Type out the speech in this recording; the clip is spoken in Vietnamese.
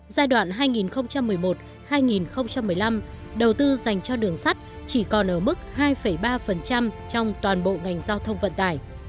giai đoạn hai nghìn một mươi một hai nghìn một mươi năm đầu tư dành cho đường sắt chỉ còn ở mức hai ba trong toàn bộ ngành giao thông vận tải